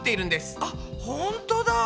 あっほんとだ。